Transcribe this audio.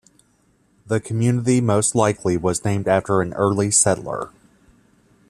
The community most likely was named after an early settler.